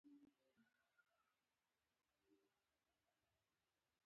که ټلویزیونونه کنټرول نه کړو هېڅ نه شو کولای.